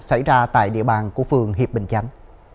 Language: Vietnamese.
xảy ra tại địa bàn của phường hiệp bình chánh